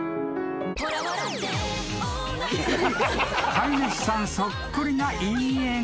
［飼い主さんそっくりないい笑顔］